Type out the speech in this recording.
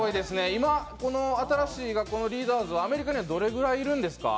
今この、新しい学校のリーダーズ、アメリカにどれぐらいいるんですか？